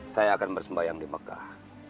saya akan bersembayang di mekah